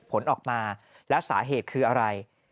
ผลออกมาแล้วสาเหตุคืออะไร